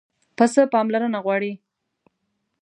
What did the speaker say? پسه پاملرنه غواړي.